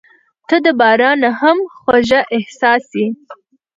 • ته د باران نه هم خوږه احساس یې.